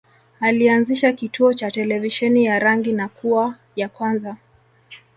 Alianzisha kituo cha televisheni ya rangi na kuwa ya kwanza